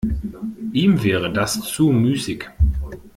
Ihm wäre das zu müßig.